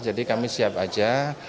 jadi kami siap saja